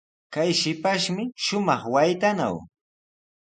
Kay shipashmi shumaq waytanaw.